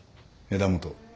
枝元。